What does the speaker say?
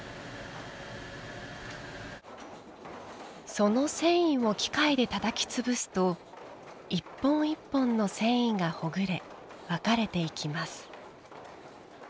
その繊維を機械でたたき潰すと１本１本の繊維がほぐれ分かれていきます。